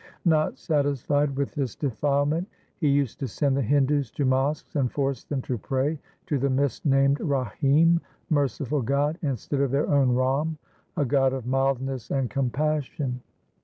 Not satisfied with this defilement, he used to send the Hindus to mosques and force them to pray to the misnamed Rahim (merciful God), instead of their own Ram, a god of mildness and compassion.